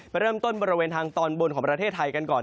เริ่มต้นบริเวณทางตอนบนของประเทศไทยกันก่อน